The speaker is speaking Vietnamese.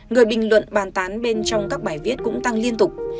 người bình luận bàn tán bên trong các bài viết cũng tăng liên tục